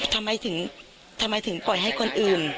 ทำไมถึงทำไมถึงปล่อยให้คนอื่น